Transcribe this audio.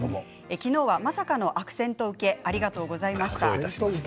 昨日は、まさかのアクセント受けありがとうございました。